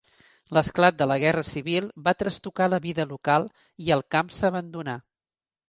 L'esclat de la Guerra Civil va trastocar la vida local i el camp s'abandonà.